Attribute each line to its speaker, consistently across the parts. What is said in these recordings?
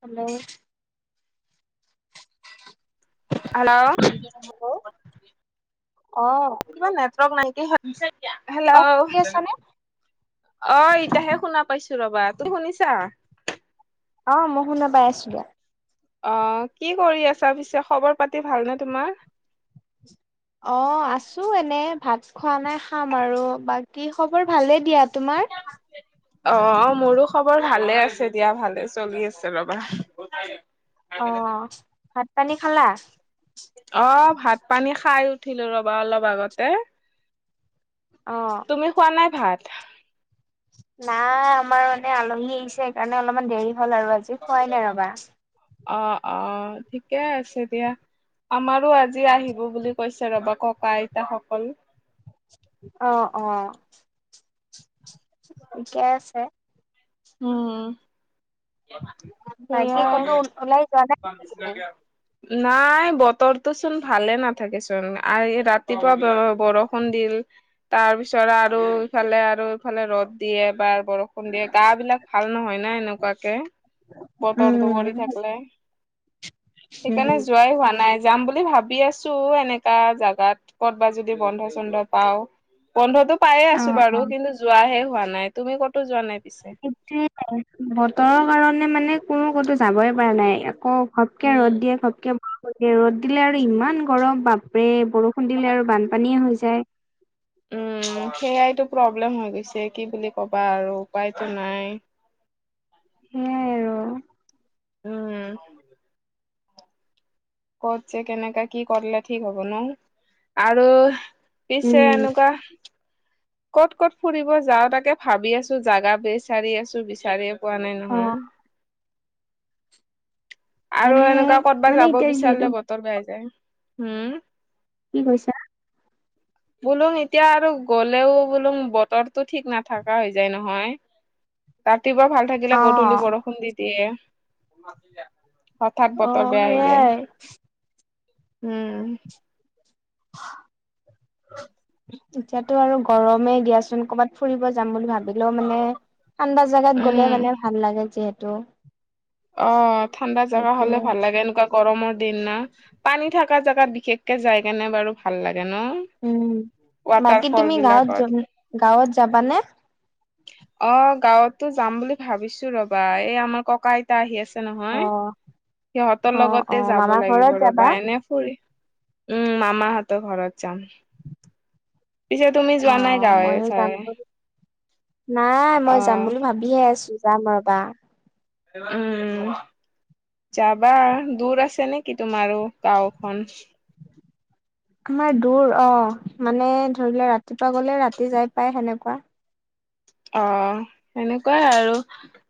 Speaker 1: Hello
Speaker 2: আনাৰথ
Speaker 1: hello অ।
Speaker 2: তোমাৰ নেটৱৰ্ক ইমানকে [unintelligible]
Speaker 1: অ শুনি
Speaker 2: হেল্ল'।
Speaker 1: আছানে?
Speaker 2: অ ইতিয়াহে শুনা পাইছো ৰবা তুমি শুনিছা।
Speaker 1: অ মই শুনা পাই আছো ৰ
Speaker 2: অ কি কৰি আছা পিছে খবৰ পাতি ভালনে তোমাৰ?
Speaker 1: অ আছো এনে ভাতচ খোৱা নাই খাম আৰু বাকী খবৰ ভালে দিয়া। তোমাৰ?
Speaker 2: অ মোৰো খবৰ ভালে আছে দিয়া ভালে চলি আছে ৰবা। হয় নি
Speaker 1: অ ভাত পানী খালা?
Speaker 2: অ ভাত পানী খাই উঠিলো ৰবা অলপ আগতে।
Speaker 1: অ
Speaker 2: তুমি খোৱা নাই ভাত?
Speaker 1: নাই আমাৰ মানে আলহী আহিছে সেইকাৰণে অলপমান দেৰি হ'ল আৰু আজি খোৱাই নাই ৰবা।
Speaker 2: অ অ ঠিকে আছে দিয়া। আমাৰো আজি আহিব বুলি কৈছে ৰবা ককা আইতাসকল।
Speaker 1: অ অ ঠিকে আছে।
Speaker 2: উম [unintelligible]
Speaker 1: বাকী ক'তো ওলাই যোৱা নাই। নেকি
Speaker 2: [unintelligible]
Speaker 1: [inaudible]
Speaker 2: নাই বতৰটো চোন ভালে নাথাকেচোন আৰু ৰাতিপুৱা বৰ বৰষুণ দিল। তাৰ পিছত আৰু ইফালে আৰু ইফালে ৰ'দ দিয়ে এবাৰ বৰষুণ কোনবে গা বিলাক ভাল নহয় না এনেকুৱাকে বতৰটো
Speaker 1: উম
Speaker 2: কৰি থাকলে সেইকাৰণে
Speaker 1: উম
Speaker 2: যোৱাই হোৱা নাই যাম বুলি ভাবি আছো এনাকা জাগাত ক'ত বা যদি বন্ধ চন্ধ পাওঁ বন্ধটোত পাইয়ে
Speaker 1: অ
Speaker 2: আছো
Speaker 1: অ।
Speaker 2: বাৰু কিন্তু যোৱাহে হোৱা নাই তুমি কতো যোৱা নাই পিছে
Speaker 1: অ বতৰৰ কাৰণে মানে কোনো কতো যাবই পৰা নাই আকৌ ঘপকে
Speaker 2: উম
Speaker 1: ৰ'দ দিয়ে খপকে বৰষুণ দিয়ে ৰ'দ দিলে আৰু ইমান গৰম বাপৰে বৰষুণ দিলে আৰু বানপানীয়ে হৈ যায়।
Speaker 2: উম সেয়াইটো প্ৰব্লেম হৈ গৈছে কি বুলি ক'বা আৰু উপায়টো নাই
Speaker 1: সেয়াই আৰু
Speaker 2: উম কত যে কেনেকা কি কৰিলে ঠিক হ'ব ন আৰু পিছে
Speaker 1: উম
Speaker 2: এনেকোৱা ক'ত ক'ত ফুৰিব যাও তাকে ভাবি আছো জাগা বিচাৰি আছো বিচাৰিয়ে পোৱা নাই নহয়।
Speaker 1: [unintelligible]
Speaker 2: আৰু এনেকোৱা কৰবাত
Speaker 1: মানে
Speaker 2: যাব
Speaker 1: এতিয়া যিহেতু
Speaker 2: বিচাৰিলে বতৰ বেয়া যায় হম
Speaker 1: কি কৈছা?
Speaker 2: বোলো এতিয়া আৰু গ'লেও বোলো বতৰতো ঠিক নাথাকা হৈ যায় নহয়। ৰাতিপুৱা ভাল
Speaker 1: অ
Speaker 2: থাকিলে গধূলি বৰষুণ দি দিয়ে হঠাৎ
Speaker 1: অ
Speaker 2: বতৰ বেয়া হৈ
Speaker 1: সেইয়াই।
Speaker 2: যায় উম
Speaker 1: এতিয়াতো আৰু গৰমে দিয়াচোন কৰ'বাত ফুৰিব যাম বুলি ভা বিলেও মানে ঠাণ্ডা জাগাত গ'লে
Speaker 2: উম
Speaker 1: মানে ভাল লাগে যিহেতু
Speaker 2: অ ঠাণ্ডা জেগা
Speaker 1: সেইটোয়ে।
Speaker 2: হলে ভাল লাগে এনেকোৱা গৰমৰ দিন না পানী থকা জেগাত বিশেষকে যাই কেনে বাৰু ভাল লাগে ন
Speaker 1: উম
Speaker 2: ৱাটাৰ
Speaker 1: বাকী তুমি
Speaker 2: ফল
Speaker 1: গাঁৱত
Speaker 2: বিলাকত
Speaker 1: গাঁৱত যাবানে?
Speaker 2: অ গাঁৱতো যাম বুলি ভাবিছো ৰবা এই আমাৰ ককা আইতা আহি আছে নহয়
Speaker 1: অ
Speaker 2: সিহঁতৰ
Speaker 1: অ অ
Speaker 2: লগতে যাব
Speaker 1: মামাৰ
Speaker 2: লাগিব
Speaker 1: ঘৰত যাবা
Speaker 2: ৰ'বা এনে ফুৰি উম মামাহঁতৰ ঘৰত যাম পিছে তুমি
Speaker 1: অ
Speaker 2: যোৱা নাই গাঁৱে
Speaker 1: মইও যাম
Speaker 2: চাৱে
Speaker 1: নাই মই যাম
Speaker 2: অ'
Speaker 1: বুলি ভা বিহে আছো যাম ৰবা
Speaker 2: উম উ এটাত ত্ৰিশ টকা যাবা দূৰ আছে নেকি তোমাৰো গাঁওখন
Speaker 1: আমাৰ দূৰ অ মানে ধৰিলে ৰাতিপুৱা গলে ৰাতি যাই পাই সেনেকোৱা
Speaker 2: অ সেনেকোৱাই আৰু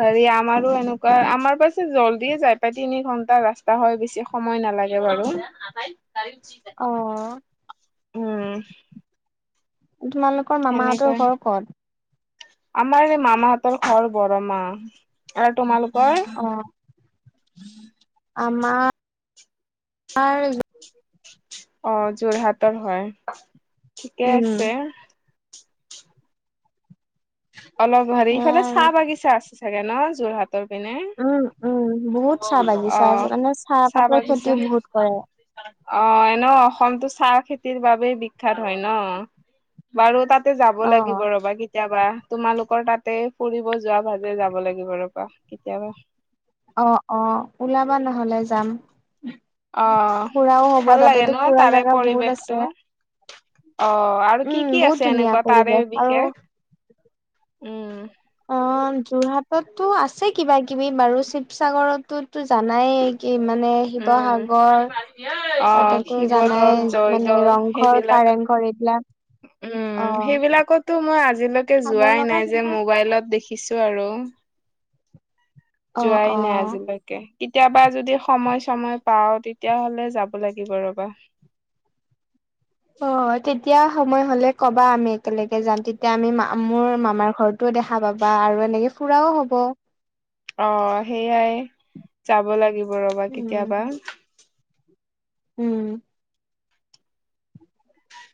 Speaker 2: হেৰি আমাৰো এনেকোৱা আমাৰ পাছে জল্দিয়ে যাই পাই তিনি ঘন্টা ৰাস্তা হয় বেছি সময় নালাগে বাৰু
Speaker 1: অ
Speaker 2: উম
Speaker 1: তোমালো কৰ
Speaker 2: সেনেকৈ
Speaker 1: মামাহঁতৰ ঘৰ কত?
Speaker 2: আমাৰ এই মামাহঁতৰ ঘৰ বৰমাহ আৰু তোমালোকৰ
Speaker 1: অ আমাৰ
Speaker 2: অ যোৰহাটৰ হয় ঠিকে
Speaker 1: উম
Speaker 2: আছে অলপ হেৰি ইফালে
Speaker 1: সেয়াই
Speaker 2: চাহ
Speaker 1: আৰু
Speaker 2: বাগিচা আছে চাগে ন যোৰহাট ৰ পিনে
Speaker 1: উম উম বহুত চাহ বাগিছা আছে
Speaker 2: অহ
Speaker 1: মানে
Speaker 2: চাহ
Speaker 1: চাহপাতৰ খেতি
Speaker 2: বাগিচা
Speaker 1: বহুত কৰে
Speaker 2: অ এনেও অসমতো চাহ খেতিৰ বাবে বিখ্যাত হয় ন বাৰু তাতে যাব
Speaker 1: অ
Speaker 2: লাগিব ৰবা কেতিয়াবা তোমালোকৰ তাতে ফুৰিব যোৱা ভাজে যাব লাগিব ৰবা কেতিয়াবা
Speaker 1: অ অ ওলাবা নহলে যাম
Speaker 2: অ
Speaker 1: ফুৰাও হব
Speaker 2: ভাল লাগে
Speaker 1: তাতেতো
Speaker 2: ন
Speaker 1: ফুৰা
Speaker 2: তাৰে
Speaker 1: জাগা বহুত আছে
Speaker 2: পৰিৱেশটো অ আৰু
Speaker 1: উম
Speaker 2: কি কি
Speaker 1: বহুত
Speaker 2: আছে
Speaker 1: ধুনীয়া
Speaker 2: এনেকোৱা তাৰে
Speaker 1: পৰিৱেশ আৰু
Speaker 2: বিষেষ উম
Speaker 1: অ যোৰহাটততো আছে কিবা কিবি বাৰু শিৱসাগৰততোটো জানাই কি মানে
Speaker 2: উম।
Speaker 1: শিৱসাগৰ
Speaker 2: অ'
Speaker 1: তাতেতো
Speaker 2: শিৱদৌল,
Speaker 1: জানাই মানে
Speaker 2: জয়দৌল
Speaker 1: ৰংঘৰ
Speaker 2: সেইবিলাক
Speaker 1: কাৰেং ঘৰ এইবিলাক
Speaker 2: উম
Speaker 1: অ',
Speaker 2: সেইবিলাকতো মই আজিলৈকে
Speaker 1: চাব
Speaker 2: যোৱাই
Speaker 1: লগা
Speaker 2: নাই যে
Speaker 1: জাগা
Speaker 2: মোবাইলত দেখিছো আৰু
Speaker 1: অ',
Speaker 2: যোৱাই নাই
Speaker 1: অ',
Speaker 2: আজিলৈকে? কে কেতিয়াবা যদি সময় - চময় পাও তেতিয়াহলে যাব লাগিব ৰবা।
Speaker 1: অ তেতিয়া সময় হলে কবা আমি একেলগে যাম তেতিয়া আমি মা মোৰ মামাৰ ঘৰত টোৱে দেখা পাবা আৰু এনেকে ফুৰাও হ'ব
Speaker 2: অ সেইয়াই যাব লাগিব ৰবা কেতিয়াবা।
Speaker 1: উম, উম।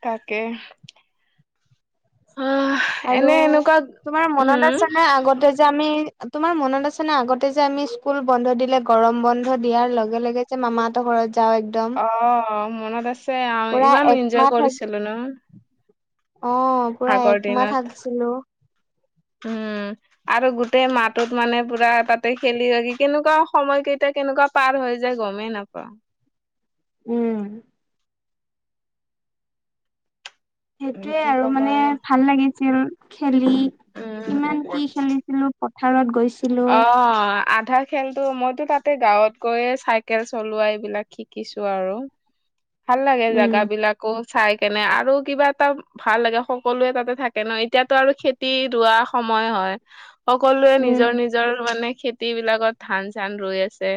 Speaker 2: তাকে। আঁহ
Speaker 1: আৰু তোমাৰ মনত আছেনে আগতে যে আমি, তোমাৰ মনত আছে না আগতে যে আমি স্কুল বন্ধ দিলে গৰম বন্ধ দিয়াৰ লগে লগে যে মামাহতৰ ঘৰত যাওঁ একদম।
Speaker 2: অ মনত আছে, আহ
Speaker 1: পুৰা
Speaker 2: ইমান এনজয়
Speaker 1: একমাহ থাক
Speaker 2: কৰিছিলো ন?
Speaker 1: অ পুৰা একমাহ
Speaker 2: আগৰদিনত
Speaker 1: থাকিছিলো।
Speaker 2: উম। আৰু গোটেই মাহটোত মানে পুৰা তাত তে খেলি বাগি কেনেকুৱা সময়কেইটা কেনেকুৱা পাৰ হৈ যায় গমেই নাপাওঁ?
Speaker 1: উম। সেইটোয়ে
Speaker 2: কি
Speaker 1: আৰু
Speaker 2: ক'বা
Speaker 1: মানে ভাল লাগিছিল খেলি কিমান
Speaker 2: উম
Speaker 1: কি খেলিছিলো পথাৰত গৈছ
Speaker 2: অ আধা খেলতো মইতো তাতে গাঁৱত গৈয়ে চাইকেল চলোৱা এইবিলাক শিকিছো আৰু। ভাল লাগে
Speaker 1: উম
Speaker 2: জেগাবিলাকো চাই কেনে আৰু কিবা এটা ভাল লাগে সকলোৱে তাতে থাকে ন এতিয়াতো আৰু খেতি ৰোৱা সময় হয়। সকলোৱে
Speaker 1: উম
Speaker 2: নিজৰ নিজৰ মানে খেতিবিলাকত ধান চান ৰুই আছে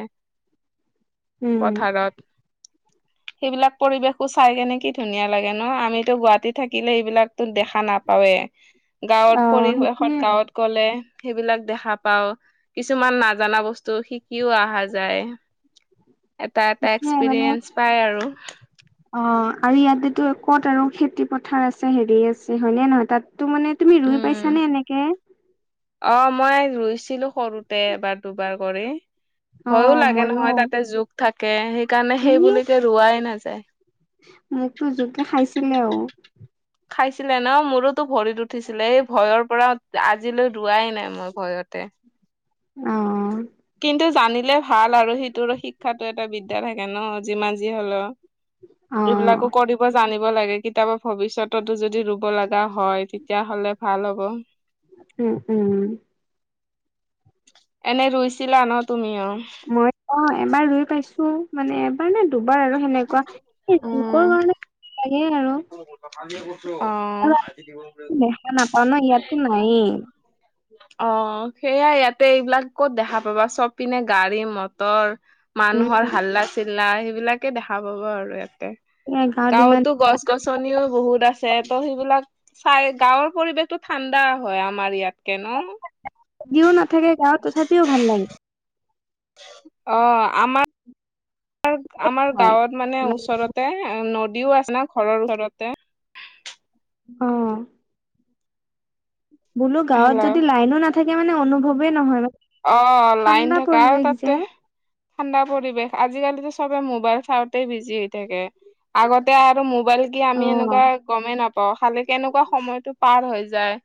Speaker 1: উম
Speaker 2: পথাৰত।
Speaker 1: [unintelligible]
Speaker 2: সেইবিলাক পৰিবেশো চাই কেনে কি ধুনীয়া লাগে ন? আমিতো গুৱাহাটীত থাকিলে এইবিলাকতো দেখা নাপাওয়েই?
Speaker 1: অ
Speaker 2: গাঁৱত
Speaker 1: সেইটোয়ে
Speaker 2: পৰিৱেশত গাঁৱত গ'লে সেইবিলাক দেখা পাও, কিছুমান নাজানা বস্তু শিকিও আহা যায়। এটা এটা
Speaker 1: তেতিয়াই মানে
Speaker 2: এক্সপিৰিয়েঞ্চ পাই আৰু।
Speaker 1: অ আৰু ইয়াতেতো ক'ত আৰু খেতি পথাৰ আছে হেৰি আছে হয় নে নহয়? তাতো মানে তুমি ৰুই
Speaker 2: উম
Speaker 1: পাইছা নে এনেকে?
Speaker 2: অ মই ৰুইছিলো সৰুতে এবাৰ - দুবাৰ কৰি।
Speaker 1: অ
Speaker 2: ভয়ো লাগে
Speaker 1: মইয়ো
Speaker 2: নহয় তাতে জোক থাকে সেইকাৰণে
Speaker 1: ই
Speaker 2: সেইবুলি কৈ ৰোৱাই নাযায়।
Speaker 1: মোকতো জোকে খাইছিলে অ।
Speaker 2: খাইছিলে ন, মোৰোতো ভৰিত উঠিছিলে এই ভয়ৰ পৰা আজিলৈ ৰোৱাই নাই মই ভয়তে।
Speaker 1: অ।
Speaker 2: কিন্তু জানিলে ভাল আৰু সিটোৰ শিক্ষাটো এটা বিদ্যা থাকে ন যিমান যি হলো।
Speaker 1: অ
Speaker 2: এইবিলাকো কৰিব জানিব লাগে কিতাপৰ ভৱিষ্যততো যদি ৰুব লগা হয় তেতিয়া হ'লে ভাল হ'ব।
Speaker 1: উম উম।
Speaker 2: এনে ৰুইছিলা ন তুমি অ?
Speaker 1: মই অ এবাৰ ৰুই পাইছো মানে এবাৰ নে দুবাৰ আৰু সেনেকুৱা? এ লোকৰ কাৰণে লাগে আৰু।
Speaker 2: তোক কথা দিয়া বোঁ অ।
Speaker 1: অ দেখা নাপাও ন ইয়াতো নায়েই।
Speaker 2: অ সেইয়াই ইয়াতে এইবিলাক ক'ত দেখা পাবা চব পিনে গাড়ী - মটৰ। মানুহৰ
Speaker 1: উম
Speaker 2: হাল্লা- চিল্লা সেইবিলাকে দেখা পাব আৰু ইয়াতে,
Speaker 1: এ গাঁৱত ইমান
Speaker 2: গাঁৱতো গছ গছ চনীও বহুত আছে ত' সেইবিলাক চাই গাঁৱৰ পৰিৱেশতটো ঠাণ্ডা হয় আমাৰ ইয়াতকে ন,
Speaker 1: যদিও নাথাকে গাঁৱত তথাপিও ভাল লাগে।
Speaker 2: অ আমাৰ, আমাৰ
Speaker 1: হয়
Speaker 2: গাঁৱত মানে ওচৰতে নদীও আছে না ঘৰৰ ওচৰতে?
Speaker 1: অ। বোলো গাঁৱত
Speaker 2: হেল্ল'
Speaker 1: যদি লাইনো নাথাকে মানে অনুভৱেই নহয়?
Speaker 2: অ লাইন
Speaker 1: ঠাণ্ডা
Speaker 2: থকা আৰু
Speaker 1: পৰিৱেশ যে
Speaker 2: তাতে। ঠাণ্ডা পৰিৱেশ আজিকালিতো ছবে মোবাইল চাওঁতে বিজি হৈ থাকে। আগতে আৰু মোবাইল কি
Speaker 1: অ
Speaker 2: আমি এনেকুৱা গমেই নাপাওঁ খালি কেনেকুৱা সময়টো পাৰ হৈ যায়।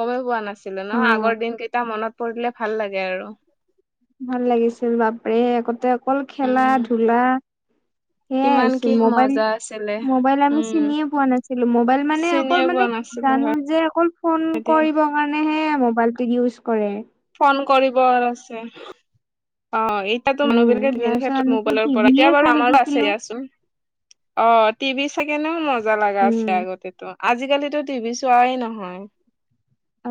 Speaker 2: গমেই পোৱা নাছিলো
Speaker 1: অ
Speaker 2: ন আগৰ দিন কেইটা মনত পৰিলে ভাল লাগে আৰু
Speaker 1: ভাল লাগিছিল বাপৰেহ আগতে অকল খেলা
Speaker 2: উম
Speaker 1: ধুলা, সেইয়াই
Speaker 2: কিমান কি
Speaker 1: আচিল মোবাইল
Speaker 2: মজা আছিলে
Speaker 1: মোবাইল আমি
Speaker 2: উম
Speaker 1: চিনিয়ে পোৱা নাছিলো মোবাইল মানে
Speaker 2: চিনিয়ে
Speaker 1: অকল
Speaker 2: পোৱা
Speaker 1: মানে।
Speaker 2: নাছিলো হয়
Speaker 1: জানো যে অকল ফোন
Speaker 2: এতিয়া
Speaker 1: কৰিব কাৰণে হে মোবাইলটো ইউজ কৰে।
Speaker 2: ফোন কৰিব আছে অ এই এতিয়া মানুহ
Speaker 1: উম
Speaker 2: বিলাকে বিভিন্ন
Speaker 1: তাৰপিছত
Speaker 2: ক্ষেত্ৰত
Speaker 1: আমিতো
Speaker 2: মোবাইলৰ পৰা
Speaker 1: টিভিয়ে
Speaker 2: এতিয়া
Speaker 1: চাই
Speaker 2: বাৰু আমাৰো আছে
Speaker 1: থাকিছিলো
Speaker 2: ইয়াচোন। অ টিভি চাইকিনিও মজা লগা
Speaker 1: উম
Speaker 2: আছে আগতে টো, আজিকালিতো টিভি চোৱাই নহয়।
Speaker 1: অ,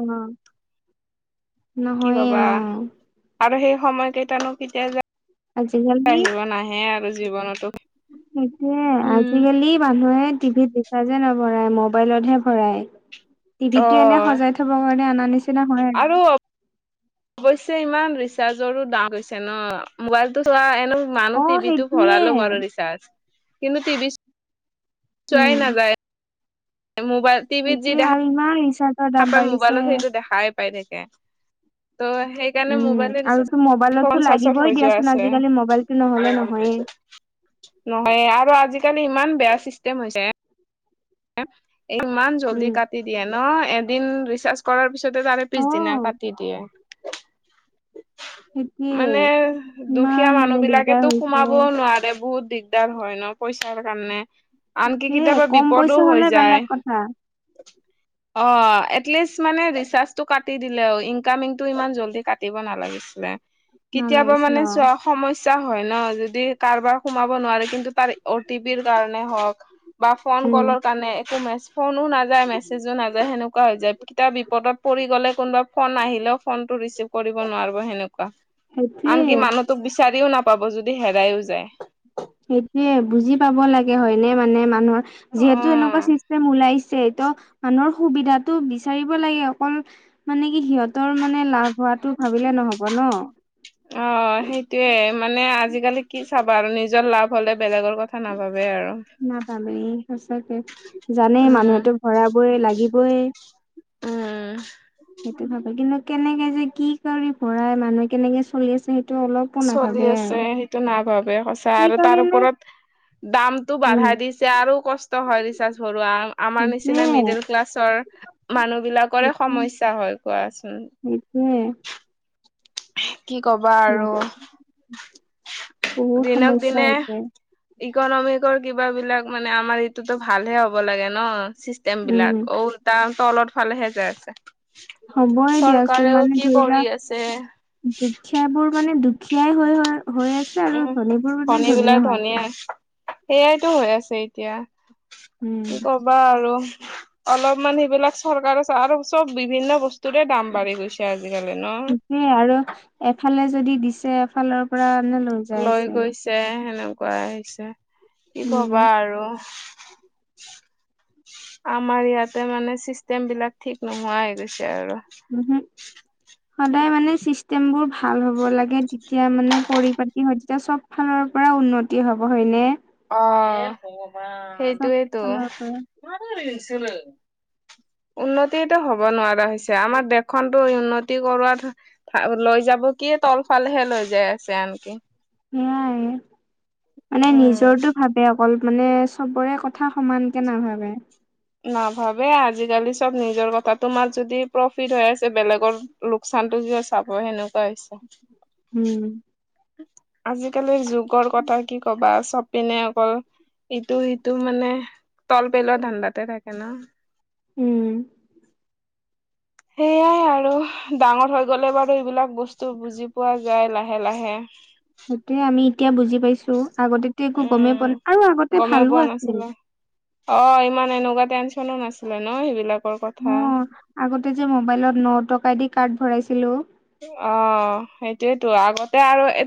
Speaker 2: কি
Speaker 1: নহয়ে
Speaker 2: কবা
Speaker 1: অ
Speaker 2: আৰু সেই সময় কেইটানো কেতিয়া যায়,
Speaker 1: আজিকালি
Speaker 2: আহিব নাহে আৰু জীৱনতো,
Speaker 1: সেইটোয়ে
Speaker 2: উম
Speaker 1: আজিকালি মানুহে টিভিত দেখি। ৰিচাৰ্জ নভৰাই মবাইলতহে ভৰাই
Speaker 2: অ
Speaker 1: টিভিত টো এনে সজাই থব কাৰণে আনা নিচিনা, নিচিনা হয় আৰু
Speaker 2: অৱশ্যে ইমান ৰিচাৰ্জৰো দামহৈছে ন মোবাইলতটো চোৱা এনেও মানুহ
Speaker 1: অ
Speaker 2: টিভিটো
Speaker 1: সেইটোয়ে
Speaker 2: ভৰালো বাৰু ৰিচাৰ্জ কিন্তু টিভি,
Speaker 1: উম
Speaker 2: চোৱাই নাজাই মোবাইল।
Speaker 1: সেইটোৱে আৰু ইমান ৰিচাৰ্জ।
Speaker 2: তাপাই মোবাইলত সেইটো দেখাই পাই থাকে ত, সেইকাৰণে
Speaker 1: উম
Speaker 2: মোবাইলে
Speaker 1: আৰুতো মোবাইলতো
Speaker 2: ৰিচাৰ্জখন চাৰ্জত
Speaker 1: লাগিবই
Speaker 2: হৈ যোৱা
Speaker 1: দিয়াচোন আজিকালি মোবাইলটো নহলে নহয়ে
Speaker 2: আছে। নহয় আৰু আজিকালি ইমান বেয়া চিষ্টেম হৈছে। ইমান জল্ডী
Speaker 1: উম
Speaker 2: কাটি দিয়ে ন এদিন ৰিচাৰ্জ, কৰাৰ পিছতে তাৰে
Speaker 1: অ
Speaker 2: পিছদিনা কাটি দিয়ে।
Speaker 1: সেইটোয়ে
Speaker 2: মানে দুখীয়া
Speaker 1: ইমান
Speaker 2: মানুহ
Speaker 1: মানে দিগদাৰ
Speaker 2: বিলাকেতো
Speaker 1: হৈছে
Speaker 2: সোমাবও নোৱাৰে বহুত দিগ দিগদাৰ হয় ন পইচাৰ কাৰণে আনকি
Speaker 1: সেয়ে
Speaker 2: কিতিয়াবা বি
Speaker 1: কম পইচা হলে বেলেগ কথা।
Speaker 2: অ এটলিষ্ট মানে ৰিচাৰ্জটো কাটি দিলে আৰু ইনকামিংটো ইমান জল্ডী কাটিব নালাগিছিলে।
Speaker 1: [inaudible]
Speaker 2: কেতিয়াবা মানে
Speaker 1: অ
Speaker 2: চোৱা, সমস্যা হয় ন যদি কাৰোবাৰ সোমাব নোৱাৰে কিন্তু তাৰ অ টি পিৰ কাৰণে হওক। বা ফোন
Speaker 1: উম
Speaker 2: কলৰ কাৰণে একো মে ফোনো নাযায় মেছেজো নাযায় সেনেকুৱা হৈ যায় কিতাপ বিপদত পৰি গ'লে কোনোবা। ফোন আহিলেও ফোন টো ৰিচিভ কৰিব নোৱাৰো সেনেকুৱা। আনকি
Speaker 1: সেইটোয়ে
Speaker 2: মানুহটোক বিচাৰিও নাপাব যদি হেৰাইও যায়।
Speaker 1: সেইটোয়ে বুজি পাব লাগে হয় নে মানে মানুহৰ যিহেতু এনেকুৱা
Speaker 2: অ'
Speaker 1: চিষ্টেম ওলাইছে, টো মানুহৰ সুবিধাটো বিচাৰিব লাগে অকল। মানে কি সিহঁতৰ মানে লাভ হোৱাটো ভাবিলে নহব ন।
Speaker 2: অ সেইটোয়ে মানে আজিকালি। কি চাবা আৰু নিজৰ লাভ হ'লে বেলেগৰ কথা নাভাবোবে আৰু
Speaker 1: নাপাব এই সঁচাকে জানে
Speaker 2: উম
Speaker 1: মানুহেতো ভৰাবই লাগিবই,
Speaker 2: উম,
Speaker 1: সেইটো ভাবে কিন্তু কেনেকে যে কি কৰি ভৰাই মানুহে কেনেকে চলি আছে সেইটো অলপ,
Speaker 2: চলি আছে সেইটো নাভাবে সঁচা আৰু তাৰ
Speaker 1: সেইকাৰণে
Speaker 2: ওপৰত দামটো
Speaker 1: উম
Speaker 2: বাঢ়াই দি ছে আৰু কষ্ট হয় ৰিচাৰ্জ ভৰুৱা আমাৰ
Speaker 1: সেইটোয়ে
Speaker 2: নিচিনা মিডিল ক্লাছৰ মানুহ বিলাকৰে সমস্যা হয় কোৱাচোন।
Speaker 1: সেইটোৱে
Speaker 2: কি কবা আৰু।
Speaker 1: বহুত
Speaker 2: দিনক
Speaker 1: সমস্যা
Speaker 2: দিনে
Speaker 1: হৈছে
Speaker 2: ইকনমিকৰ কিবাবিলাক মানে আমাৰ ইটোতো ভালহে হব লাগে ন চি ষ্টেম
Speaker 1: উম
Speaker 2: বিলাক উল তাৰ তলত ফালেহে যাই আছে।
Speaker 1: হ'বই দিয়াচোন
Speaker 2: চৰকাৰেও
Speaker 1: মানে
Speaker 2: কি
Speaker 1: ধৰি লোৱা
Speaker 2: কৰি আছে
Speaker 1: দুখীয়া বোৰ মানে দুখীয়ায় হৈ হৈ হৈ আছে আৰু
Speaker 2: উম
Speaker 1: ধনী বোৰ মানে ধনীয়ে হৈ আছে।
Speaker 2: সেয়াইতো হৈ আছে এতিয়া
Speaker 1: উম।
Speaker 2: কি ক বা আৰু অলপমান সেইবিলাক চৰকাৰৰ আৰু চব বিভিন্ন বস্তুৰে দাম বাঢ়ি গৈ ছে আজিকালি ন
Speaker 1: সেই আৰু এফালে যদি দিছে এফালৰ পৰা লৈ যাই আছে আৰু
Speaker 2: তে সেনেকোৱা আহিছে কি কবা
Speaker 1: উম।
Speaker 2: আৰু আমাৰ ইয়াতে মানে চিষ্টেম বিলাক ঠিক নোহোৱা হৈ গৈছে আৰু
Speaker 1: উম হুম সদায় মানে চিষ্টেম বোৰ ভাল হ'ব লাগে তেতিয়া মানে পৰিপাটি হয় তেতিয়া চব ফালৰ পৰা উন্নতি হ'ব হয়নে
Speaker 2: অ হে ভগৱান
Speaker 1: চব
Speaker 2: সেইটোৱেইতো
Speaker 1: ফালৰ পৰা
Speaker 2: উন্নতিয়েটো হব নোৱাৰা হৈছে আমাৰ দেশখনতো উন্নতি কৰোৱাত লৈ যাব কি তল ফালেহে লৈ যাই আছে আনকি
Speaker 1: সেইয়াই মানে নিজৰটো ভাবে অ কল মানে চবৰে কথা সমানকে নাভাবে
Speaker 2: নাভাবে আজিকালি চব নিজৰ কথা তোমাৰ যদি প্ৰফিট হৈ আছে বেলেগৰ লোকচানতটো য চাব সেনেকোৱা হৈছে
Speaker 1: উম
Speaker 2: আজিকালিৰ যুগৰ কথা কি কবা চব পিনে অকল ইটো সিটো মানে তল পেলোৱা ধান্দাতে থাকে ন
Speaker 1: উম
Speaker 2: সেইয়াই আৰু ডাঙৰ হৈ গ'লে বাৰু এইবিলাক বস্তু বুজি পোৱা যায় লাহে লাহে
Speaker 1: সেইটোয়ে আমি এতিয়া বুজি পাইছো আগতেতো একো গমেই
Speaker 2: উম
Speaker 1: পোৱা নাই আৰু আগতে
Speaker 2: গমেই
Speaker 1: ভালো
Speaker 2: পোৱা
Speaker 1: আছিল
Speaker 2: নাছিলো অ ইমান এনেকোৱা টেনচনো নাছিলে ন সেইবিলাকৰ
Speaker 1: ন
Speaker 2: কথা
Speaker 1: আগতে যে মোবাইলত ন টকা দি কাৰ্ড ভৰাইছিলো
Speaker 2: অ সেইটোয়েতো আগতে আৰু এ